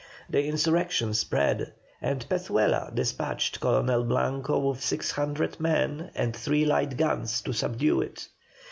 The insurrection spread, and Pezuela despatched Colonel Blanco with six hundred men and three light guns, to subdue it.